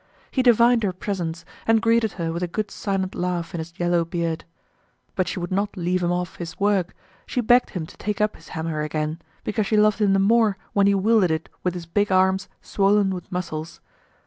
He divined her presence, and greeted her with a good silent laugh in his yellow beard. But she would not let him leave off his work; she begged him to take up his hammer again, because she loved him the more when he wielded it with his big arms swollen with muscles.